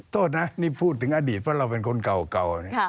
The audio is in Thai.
โทษนะนี่พูดถึงอดีตเพราะเราเป็นคนเก่า